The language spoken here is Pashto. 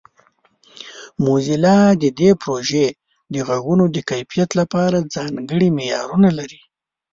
موزیلا د دې پروژې د غږونو د کیفیت لپاره ځانګړي معیارونه لري.